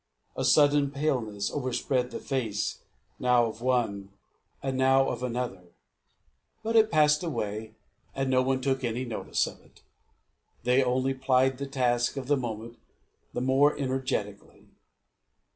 A sudden paleness overspread the face, now of one, and now of another; but it passed away, and no one took any notice of it; they only plied the task of the moment the more energetically.